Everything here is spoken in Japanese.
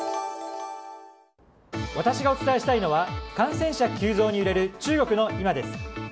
私がお伝えしたいのは感染者急増に揺れる中国の今です。